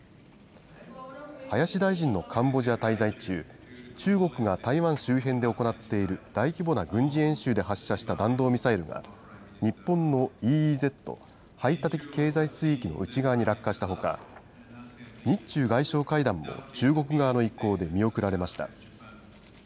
林大臣のカンボジア滞在中、中国が台湾周辺で行っている大規模な軍事演習で発射した弾道ミサイルが、日本のＥＥＺ・排他的経済水域の内側に落下したほか、日中外相会談も中国側の意向で見送られました。